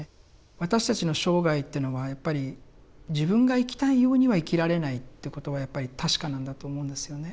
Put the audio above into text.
私たちの生涯というのはやっぱり自分が生きたいようには生きられないっていうことはやっぱり確かなんだと思うんですよね。